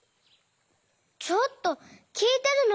ちょっときいてるの？